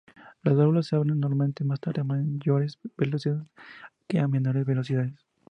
Las válvulas se abren normalmente más tarde a mayores velocidades que a menores velocidades.